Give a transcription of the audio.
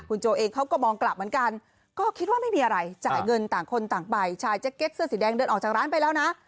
คุณโจเองเขาก็มองกลับเหมือนกันก็คิดว่าไม่มีอะไรจ่ายเงินต่างคนต่างไปชายแจ็คเก็ตเสื้อสีแดงเดินออกจากร้านไปแล้วนะ